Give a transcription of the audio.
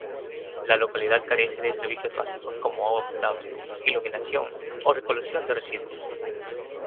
La localidad carece de servicios básicos como agua potable, iluminación o recolección de residuos.